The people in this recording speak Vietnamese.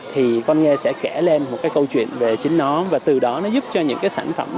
thì con nghe sẽ kể lên một cái câu chuyện về chính nó và từ đó nó giúp cho những cái sản phẩm